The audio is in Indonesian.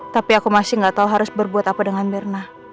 tapi aku masih gak tahu harus berbuat apa dengan mirna